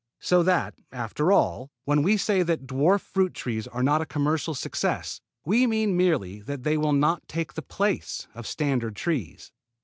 So that, after all, when we say that dwarf fruit trees are not a commercial success we mean merely that they will not take the place of standard trees.